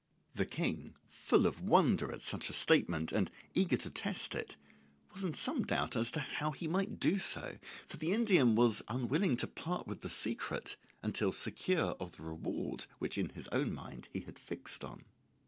The King, full of wonder at such a statement, and eager to test it, was in some doubt as to how he might do so, for the Indian was unwilling to part with the secret until secure of the reward which in his own mind he had fixed on.